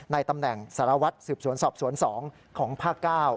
ในตำแหน่งสารวัฒน์สวนสอบสวน๒ของภาคเก้า